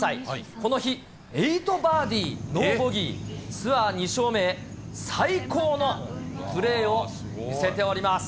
この日、８バーディーノーボギー、ツアー２勝目へ、最高のプレーを見せております。